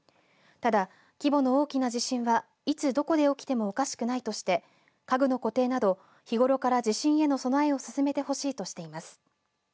ただ、規模の大きな地震はいつどこで起きてもおかしくないとして家具の固定など日頃から地震への備えを進めてほしいとしています。